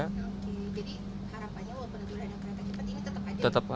jadi harapannya kalau penuh ada kereta cepat ini tetap aja